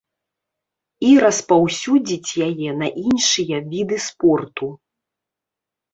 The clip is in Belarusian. І распаўсюдзіць яе на іншыя віды спорту.